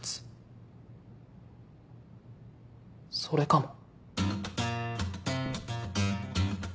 それかも。